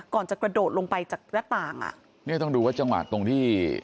ก่อนจะกระโดดลงไปจากหน้าต่างอ่ะเนี่ยต้องดูว่าจังหวะตรงที่